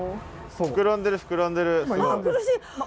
膨らんでる膨らんでる。